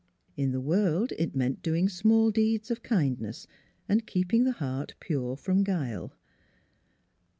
In the world it meant doing small deeds of kindness and keeping the heart pure from guile.